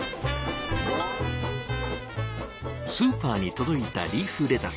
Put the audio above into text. スーパーに届いたリーフレタス。